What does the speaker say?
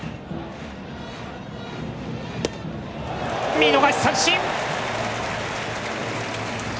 見逃し三振！